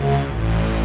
dua jam lebih